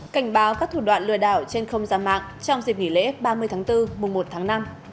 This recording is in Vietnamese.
cảnh báo các thủ đoạn lừa đảo trên không gian mạng trong dịp nghỉ lễ ba mươi tháng bốn mùa một tháng năm